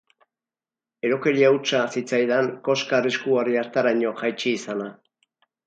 Erokeria hutsa zitzaidan koska arriskugarri hartaraino jaitsi izana.